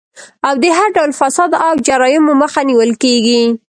او د هر ډول فساد او جرايمو مخه نيول کيږي